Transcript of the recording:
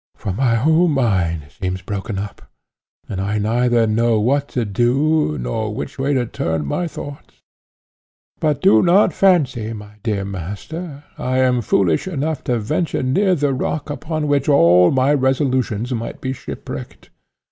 for my whole mind seems broken up, and I neither know what to do, nor which way to turn my thoughts. But do not fancy, my dear master, I am foolish enough to venture near the rock upon which all my resolutions might be shipwrecked.